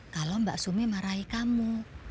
kalau mbak sumi marahi kamu